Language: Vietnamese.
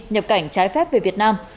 nhập cảnh trái phép về việt nam